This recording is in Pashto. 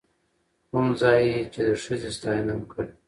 کوم ځاى يې چې د ښځې ستاينه هم کړې،،